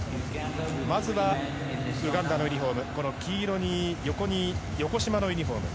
まずは、ウガンダのユニホーム黄色に横しまのユニホーム。